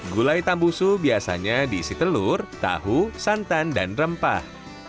gulai tambusu biasanya diisi telur tahu santan dan rempah